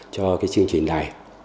cho cái chương trình này